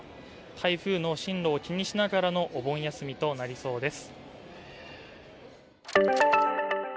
台風の進路を気にしながらのお盆休みとなりそうです。